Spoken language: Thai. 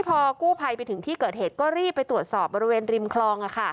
พอกู้ภัยไปถึงที่เกิดเหตุก็รีบไปตรวจสอบบริเวณริมคลอง